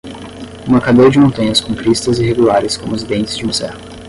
Uma cadeia de montanhas com cristas irregulares como os dentes de uma serra